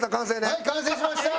はい完成しました！